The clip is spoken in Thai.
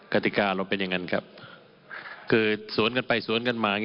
กติกาเราเป็นอย่างนั้นครับคือสวนกันไปสวนกันมา